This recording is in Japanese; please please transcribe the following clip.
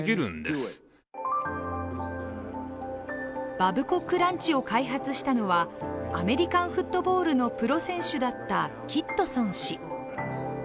バブコックランチを開発したのはアメリカンフットボールのプロ選手だったキットソン氏。